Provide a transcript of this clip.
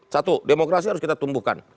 satu demokrasi harus kita tumbuhkan